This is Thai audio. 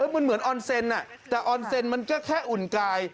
มันเหมือนออนเซ็นแต่ออนเซ็นมันก็แค่อุ่นกาย